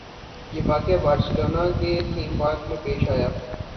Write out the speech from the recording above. یہ واقعہ بارسلونا کے تھیم پارک میں پیش آیا